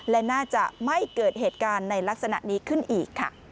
และน่าจะไม่เกิดเหตุการณ์ในลักษณะนี้ขึ้นอีกค่ะ